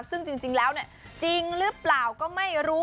ซึ่งจริงแล้วจริงหรือเปล่าก็ไม่รู้